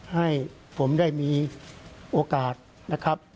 ให้ผมได้มีโอกาสนะครับ